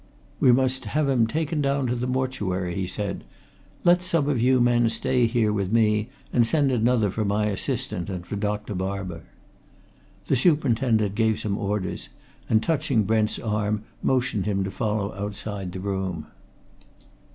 "We must have him taken down to the mortuary," he said. "Let some of you men stay here with me, and send another for my assistant and for Dr. Barber." The superintendent gave some orders, and touching Brent's arm motioned him to follow outside the room.